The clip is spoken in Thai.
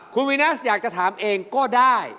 คุณวีนัสอยากจะถามเองก็ได้